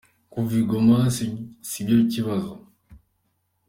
Kuva i Goma si byo kibazo.